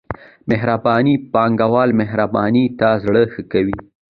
بهرني پانګوال پانګونې ته زړه ښه کوي.